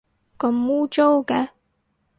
咁污糟嘅